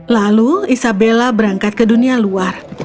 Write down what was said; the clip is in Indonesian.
lalu isabella berangkat ke dunia luar